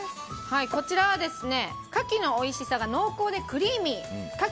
こちらはカキのおいしさが濃厚でクリーミー。